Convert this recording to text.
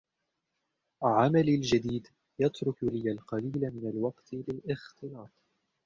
عملي الجديد يترك لي القليل من الوقت للاختلاط.